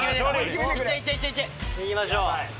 いきましょう。